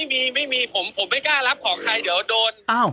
ไม่มีไม่มีผมไม่กล้ารับของใครเดี๋ยวโดน